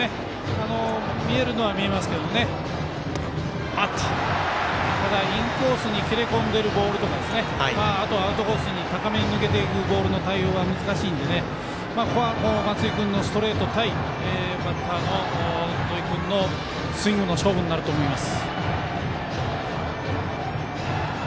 見えるのは見えますけどただ、インコースに切れ込んでくるボールとかあとはアウトコースに高めに抜けていくボールの対応は難しいのでここは松井君のストレート対バッターの土居君のスイングの勝負になると思います。